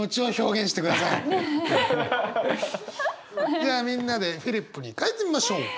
じゃあみんなでフリップに書いてみましょう。